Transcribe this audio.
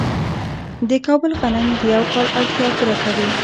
د کابل غنم د یو کال اړتیا پوره کوي.